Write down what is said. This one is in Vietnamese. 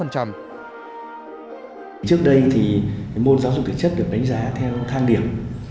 trước đây thì môn giáo dục thể chất được đánh giá theo thang điểm